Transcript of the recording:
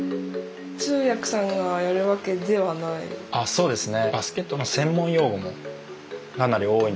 そうですね。